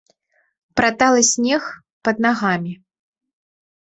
Пра талы снег пад нагамі.